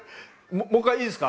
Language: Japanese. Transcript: もう一回いいですか？